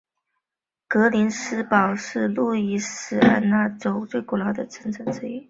格林斯堡是路易斯安那州最古老的城镇之一。